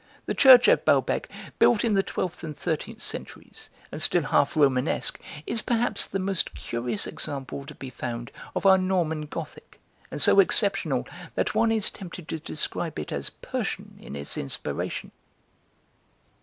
The church at Balbec, built in the twelfth and thirteenth centuries, and still half romanesque, is perhaps the most curious example to be found of our Norman gothic, and so exceptional that one is tempted to describe it as Persian in its inspiration."